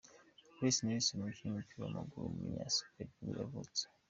Lasse Nilsson, umukinnyi w’umupira w’amaguru w’umunyasuwedi nibwo yavutse.